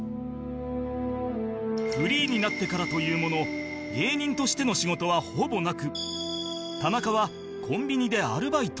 フリーになってからというもの芸人としての仕事はほぼなく田中はコンビニでアルバイト